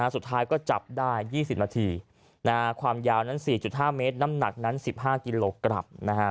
สุดท้ายก็จับได้๒๐นาทีความยาวนั้น๔๕เมตรน้ำหนักนั้น๑๕กิโลกรัม